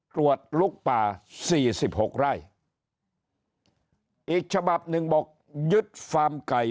ตรวจลุกป่าสี่สิบหกไร่อีกฉบับหนึ่งบอกยึดฟาร์มไก่